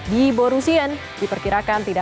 di borussia diperkirakan tidak